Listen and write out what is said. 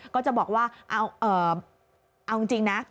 ก็จะบอกว่าเอาจริงนะ